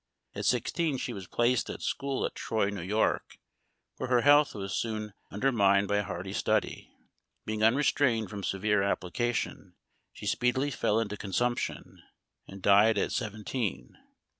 At sixteen she was placed at school at Troy, New York, where her health was soon under mined by hard study. Being unrestrained from severe appli cation she speedily fell into consumption, and died at seven teen.